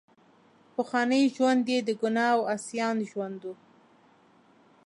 پخوانی ژوند یې د ګناه او عصیان ژوند وو.